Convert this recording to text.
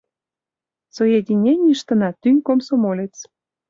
Соединенийыштына — тӱҥ комсомолец.